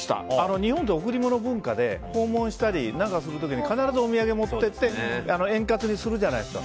日本って贈り物文化で訪問したり何かする時に必ずお土産を持って行って円滑にするじゃないですか。